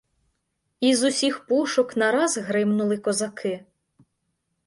Із усіх пушок нараз гримнули козаки.